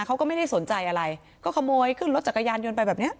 เขาก็ไม่ได้สนใจอะไรก็ขโมยขึ้นรถจักรยานยนต์ไปแบบเนี้ย